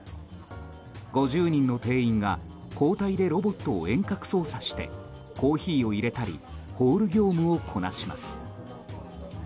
５０人の店員が交代でロボットを遠隔操作してコーヒーを入れたりホール業務をこなします。